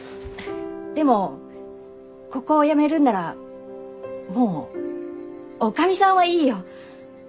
でもここを辞めるんならもう「女将さん」はいいよ。